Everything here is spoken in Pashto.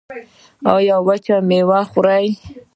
ایا وچې میوې خورئ؟